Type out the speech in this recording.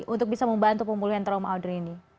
untuk bisa membantu pemulihan trauma audrey ini